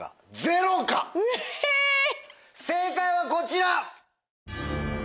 正解はこちら！